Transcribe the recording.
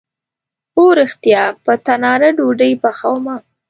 هو ریښتیا، په تناره ډوډۍ پخومه